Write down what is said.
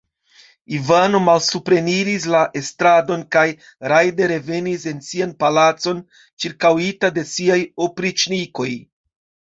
Ivano malsupreniris la estradon kaj rajde revenis en sian palacon, ĉirkaŭita de siaj opriĉnikoj.